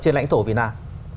trên lãnh thổ việt nam